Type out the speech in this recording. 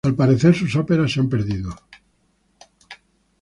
Al parecer sus óperas se han perdido.